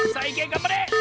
がんばれ！